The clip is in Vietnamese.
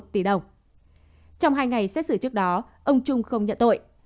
trong hai ngày xét xử trước đó ông trung không nhận tội